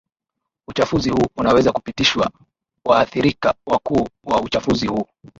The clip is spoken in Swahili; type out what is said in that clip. Uchafuzi huu unaweza kupitishwa Waathirika wakuu wa uchafuzi huu